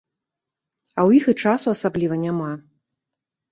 А ў іх і часу асабліва няма.